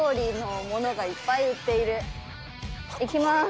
いきます。